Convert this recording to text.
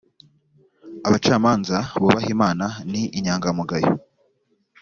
abacamanza bubaha imana ni inyangamugayo